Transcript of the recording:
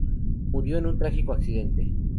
Murió en un trágico accidente.